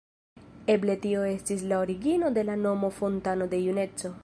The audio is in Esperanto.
Eble tio estis la origino de la nomo ""fontano de juneco"".